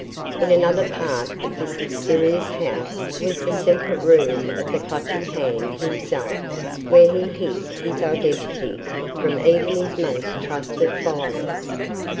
In another part of this mysterious house was the secret room of the Clutching Hand himself where he hid his identity from even his most trusted followers.